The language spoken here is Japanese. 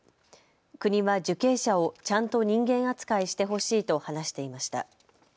国は受刑者をちゃんと人間扱いしてほしいと話していました。